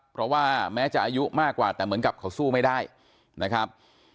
เพราะว่าแม้จะอายุมากกว่าแต่เหมือนกับเขาสู้ไม่ได้นะครับ